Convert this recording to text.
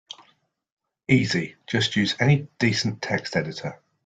Easy, just use any decent text editor.